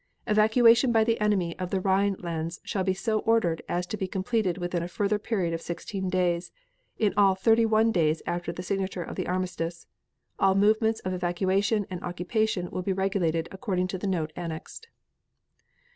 Evacuation by the enemy of the Rhine lands shall be so ordered as to be completed within a further period of sixteen days, in all thirty one days after the signature of the armistice. All movements of evacuation and occupation will be regulated according to the note annexed.